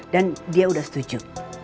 dan dia udah setuju